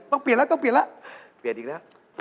เป็นไปที่ไหนวะ